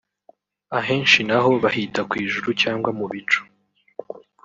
ahenshi naho bahita kw’i-Juru cyangwa mu bicu